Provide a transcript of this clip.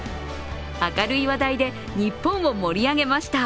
明るい話題で日本を盛り上げました。